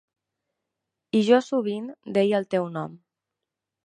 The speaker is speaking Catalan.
I jo sovint deia el teu nom.